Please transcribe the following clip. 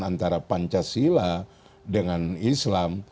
antara pancasila dengan islam